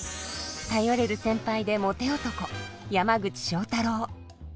頼れる先輩でモテ男山口正太郎。